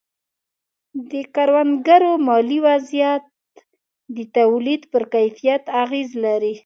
د کروندګرو مالي وضعیت د تولید پر کیفیت اغېز لري.